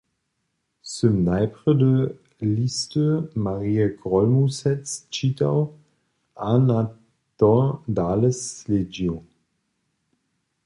Sym najprjedy listy Marje Grólmusec čitał a na to dale slědźił.